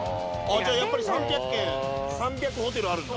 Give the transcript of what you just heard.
じゃあやっぱり３００軒３００ホテルあるんだ。